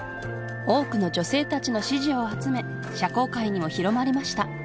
多くの女性たちの支持を集め社交界にも広まりました